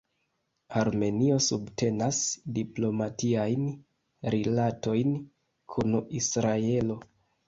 Armenio subtenas diplomatiajn rilatojn kun Israelo.